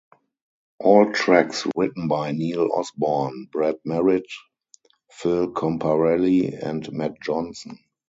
All tracks written by Neil Osborne, Brad Merritt, Phil Comparelli and Matt Johnson.